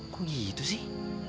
kok gitu sih